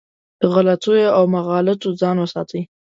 له غلطیو او مغالطو ځان وساتي.